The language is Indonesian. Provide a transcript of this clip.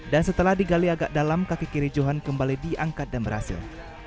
dan setelah digali agak dalam kakek kiri johan kembali diangkat dan berhasil